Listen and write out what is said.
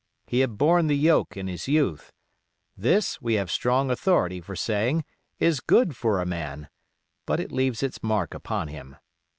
He had borne the yoke in his youth. This, we have strong authority for saying, is good for a man; but it leaves its mark upon him.